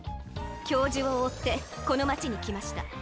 教授をおってこのまちにきました。